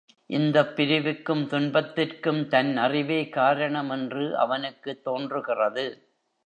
இந்தப் பிரிவுக்கும் துன்பத்திற்கும் தன் அறிவே காரணம் என்று அவனுக்குத் தோன்றுகிறது.